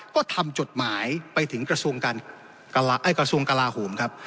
ก็ทำจดหมายไปถึงกระทรวงกลาโหมครับ